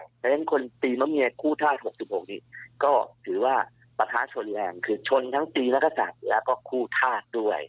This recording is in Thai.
ในเปล็นคนตีมะเมียคู่ธาตุ๖๖นี่ก็ถือว่าประทะชนแหล่งคือชนทั้งตีนักศักดิ์แล้วก็คู่ธาตุด้วย